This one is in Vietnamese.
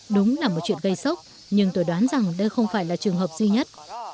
đúng là một chuyện gây sốc nhưng tôi đoán rằng đây không phải là trường hợp duy nhất